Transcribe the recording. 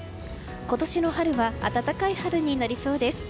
今年の春は暖かい春になりそうです。